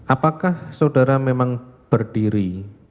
apakah saudara memang berdiri